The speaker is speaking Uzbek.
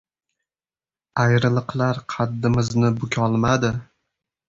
Ayriliqlar qaddimizni bukolmadi.